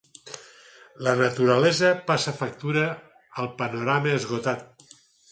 La naturalesa passa factura al panorama esgotat.